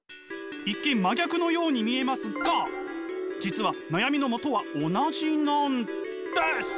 一見真逆のように見えますが実は悩みの元は同じなんです！